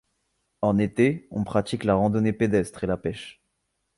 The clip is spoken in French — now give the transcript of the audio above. En été, on pratique la randonnée pédestre et la pêche.